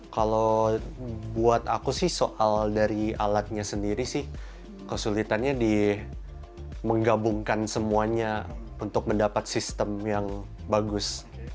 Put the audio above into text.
kalau buat aku sih soal dari alatnya sendiri sih kesulitannya di menggabungkan semuanya untuk mendapat sistem yang bagus